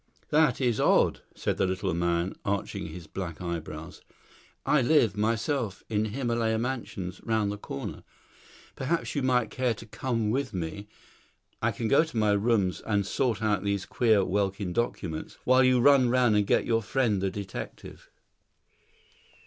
"That is odd," said the little man, arching his black eyebrows. "I live, myself, in Himylaya Mansions, round the corner. Perhaps you might care to come with me; I can go to my rooms and sort out these queer Welkin documents, while you run round and get your friend the detective."